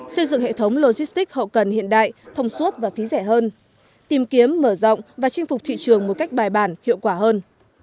xây dựng hệ thống logistic hậu cần hiện đại thông suốt và phí rẻ hơn tìm kiếm mở rộng và chinh phục thị trường một cách bài bản hiệu quả hơn